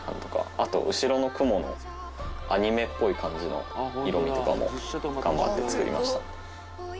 あと後ろの雲のアニメっぽい感じの色味とかも頑張って作りました。